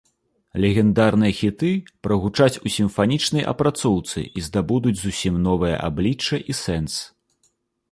Легендарныя хіты прагучаць у сімфанічнай апрацоўцы і здабудуць зусім новае аблічча і сэнс.